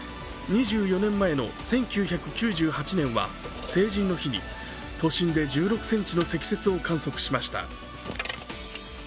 ２４年前の１９９８年は成人の日に都心で１６ｃｍの積雪を観測しました。